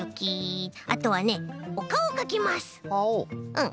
うん。